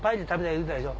言うてたでしょ。